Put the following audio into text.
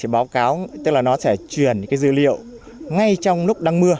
báo cáo sẽ truyền dữ liệu ngay trong lúc đang mưa